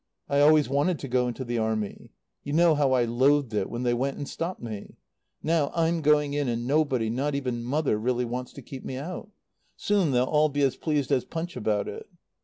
I always wanted to go into the Army. You know how I loathed it when they went and stopped me. Now I'm going in and nobody not even mother really wants to keep me out. Soon they'll all be as pleased as Punch about it.